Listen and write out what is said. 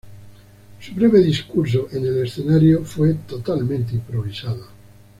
Su breve discurso en el escenario fue totalmente improvisado.